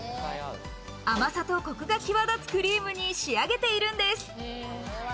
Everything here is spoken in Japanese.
甘さとコクが際立つクリームに仕上げているんです。